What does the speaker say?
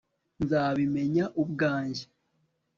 nzabimenya ubwanjye